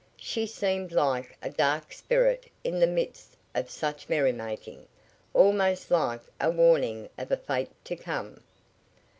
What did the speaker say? She seemed like a dark spirit in the midst of such merrymaking, almost like a warning of a fate to come.